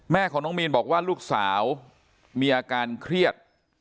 แม่ของน้องมีนบอกว่าลูกสาวมีอาการเครียด